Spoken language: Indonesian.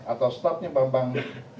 atau staffnya bang bang